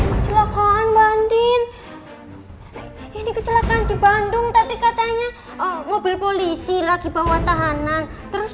kecelakaan bandin ini kecelakaan di bandung tapi katanya mobil polisi lagi bawa tahanan terus